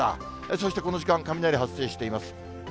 そしてこの時間、雷発生しています。